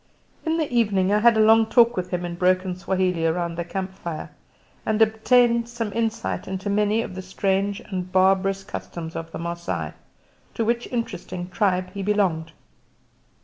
In the evening I had a long talk with him in broken Swahili round the camp fire, and obtained some insight into many of the strange and barbarous customs of the Masai, to which interesting tribe he belonged.